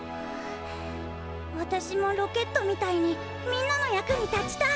あたしもロケットみたいにみんなの役に立ちたい！